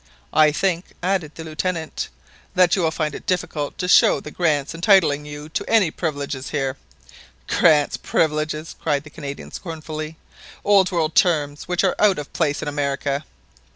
"I think," added the Lieutenant, "that you will find it difficult to show the grants entitling you to any privileges here." "Grants! privileges !" cried the Canadian scornfully, "old world terms which are out of place in America